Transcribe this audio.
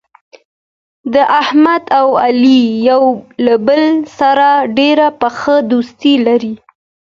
د احمد او علي یو له بل سره ډېره پخه دوستي لري.